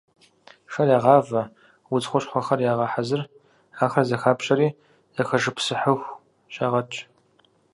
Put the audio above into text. Шэр ягъавэ, удз хущхъуэхэр ягъэхьэзыр, ахэр зэхапщэжри зэхэшыпсыхьыху щагъэтщ.